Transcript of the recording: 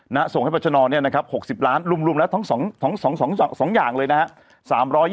นะฮะส่งให้บรรชนอเนี้ยนะครับ๖๐ล้านรุมละทั้ง๒อย่างเลยนะฮะ